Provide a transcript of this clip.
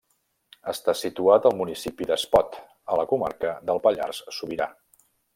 Està situat al municipi d'Espot a la comarca del Pallars Sobirà.